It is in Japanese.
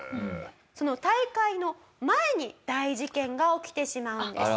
その大会の前に大事件が起きてしまうんです。